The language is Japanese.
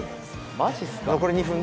マジっすか。